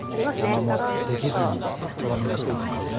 ダマもできずにとろみがついてますね。